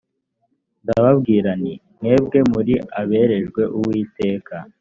ndababwira nti mwebwe muri aberejwe uwiteka